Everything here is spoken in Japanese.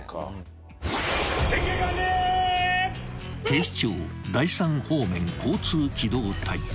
［警視庁第三方面交通機動隊］